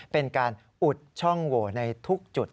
เป็นการอุดช่องโหวในทุกจุด